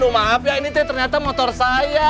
maaf ya ini teh ternyata motor saya